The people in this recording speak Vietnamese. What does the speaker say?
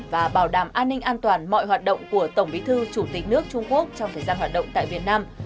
và bảo đảm an ninh an toàn mọi hoạt động của tổng bí thư chủ tịch nước trung quốc trong thời gian hoạt động tại việt nam